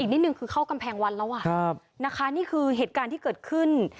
นิดนึงคือเข้ากำแพงวันแล้วอ่ะนะคะนี่คือเหตุการณ์ที่เกิดขึ้น